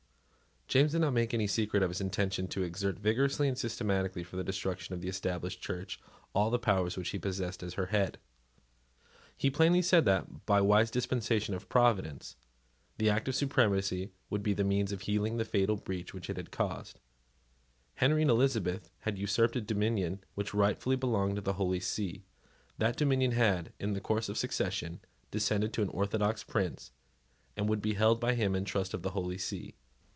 James did not even make any secret of his intention to exert vigorously and systematically for the destruction of the Established Church all the powers which he possessed as her head. He plainly said that, by a wise dispensation of Providence, the Act of Supremacy would be the means of healing the fatal breach which it had caused. Henry and Elizabeth had usurped a dominion which rightfully belonged to the Holy See. That dominion had, in the course of succession, descended to an orthodox prince, and would be held by him in trust for the Holy See.